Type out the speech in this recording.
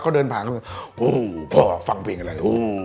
เขาเดินผ่านฟังเพลงอะไร